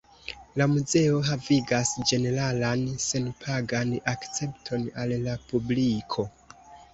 La muzeo havigas ĝeneralan senpagan akcepton al la publiko.